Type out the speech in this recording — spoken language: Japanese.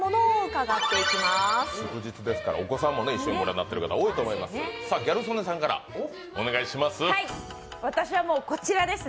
祝日ですからお子さんも一緒にご覧になっている方も多いと思います。